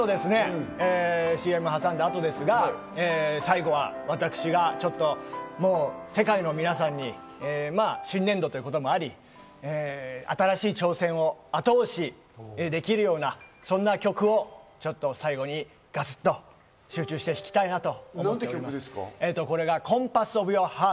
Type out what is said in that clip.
ＣＭを挟んだ後、私が世界の皆さんに、新年度ということもあり、新しい挑戦を後押しできるような、そんな曲を最後にガツっと集中して弾きたいなと。